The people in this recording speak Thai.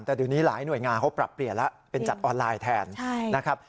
แต่เดี๋ยวนี้หลายหน่วยงานเขาปรับเปลี่ยนแล้วเป็นจัดออนไลน์แทนนะครับ